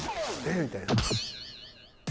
みたいな。